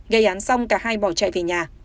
gây án xong cả hai bỏ chạy về nhà